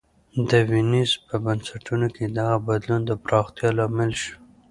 د وینز په بنسټونو کې دغه بدلون د پراختیا لامل شو